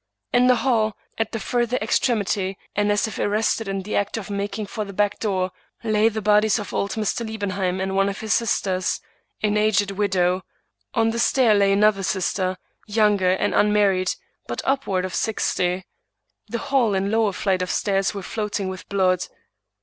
In the hall, at the further extremity, and as if arrested in the act of making for the back door, lay the bodies of old Mr. Liebenheim and one of his sisters, an aged widow; on the stair lay another sister, younger and unmarried, but up ward of sixty. The hall and lower flight of stairs were floating with blood.